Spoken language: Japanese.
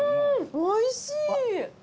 おいしい！